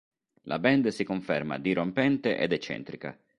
La band si conferma dirompente ed eccentrica.